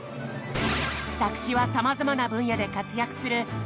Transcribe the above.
作詞はさまざまな分野で活躍する劇団ひとりさん。